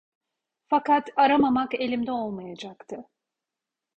Fakat aramamak elimde olmayacaktı.